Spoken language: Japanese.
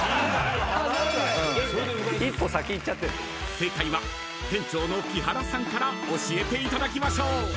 ［正解は店長の木原さんから教えていただきましょう］